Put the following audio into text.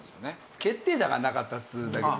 決定打がなかったっていうだけ。